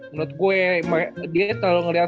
menurut gue dia kalau ngeliat